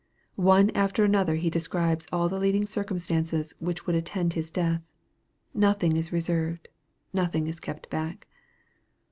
One after another He describes all the leading circumstances which would attend His death. Nothing is reserved. Nothing is kept back.